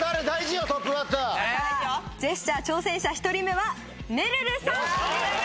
ジェスチャー挑戦者１人目はめるるさん。